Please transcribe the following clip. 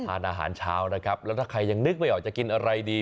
ทานอาหารเช้านะครับแล้วถ้าใครยังนึกไม่ออกจะกินอะไรดี